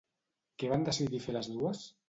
Què van decidir fer les dues?